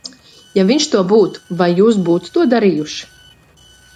Ja viņš to būtu, vai jūs būtu to darījusi?